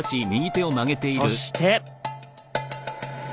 そして。